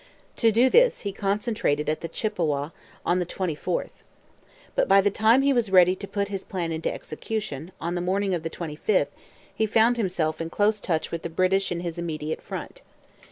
To do this he concentrated at the Chippawa on the 24th. But by the time he was ready to put his plan into execution, on the morning of the 25th, he found himself in close touch with the British in his immediate front.